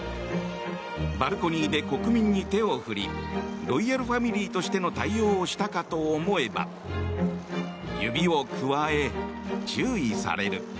バルコニーで国民に手を振りロイヤルファミリーとしての対応をしたかと思えば指をくわえ、注意される。